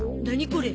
これ。